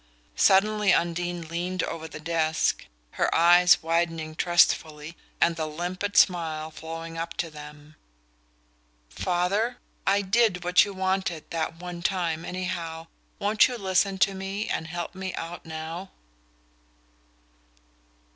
Suddenly Undine leaned over the desk, her eyes widening trustfully, and the limpid smile flowing up to them. "Father, I did what you wanted that one time, anyhow won't you listen to me and help me out now?"